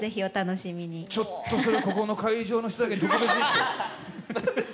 ちょっとそれ、ここの会場の人だけに特別に。